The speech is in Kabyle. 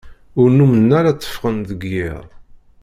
Ur nnumen ara tteffɣen deg iḍ.